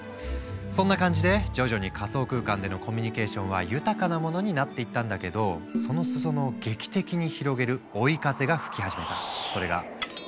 そんな感じで徐々に仮想空間でのコミュニケーションは豊かなものになっていったんだけどその裾野を劇的に広げる追い風が吹き始めた。